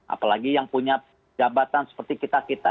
apalagi yang punya jabatan seperti kita kita